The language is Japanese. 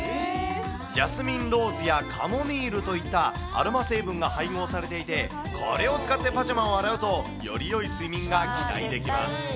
ジャスミンローズやカモミールといったアロマ成分が配合されていて、これを使ってパジャマを洗うと、よりよい睡眠が期待できます。